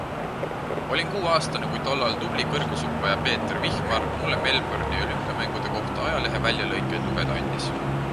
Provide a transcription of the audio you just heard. Olin kuueaastane, kui tollal tubli kõrgushüppaja Peeter Vihmar mulle Melbourne'i olümpiamängude kohta ajaleheväljalõikeid lugeda andis.